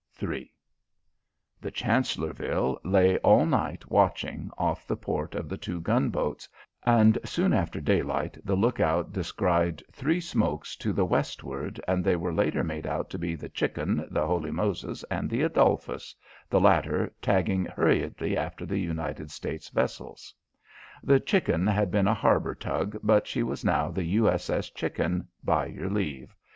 III The Chancellorville lay all night watching off the port of the two gunboats and, soon after daylight, the lookout descried three smokes to the westward and they were later made out to be the Chicken, the Holy Moses and the Adolphus, the latter tagging hurriedly after the United States vessels. The Chicken had been a harbour tug but she was now the U.S.S. Chicken, by your leave.